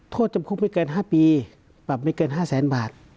โทษจำคุกไม่เกิน๕ปีปรับไม่เกิน๕แสนบาท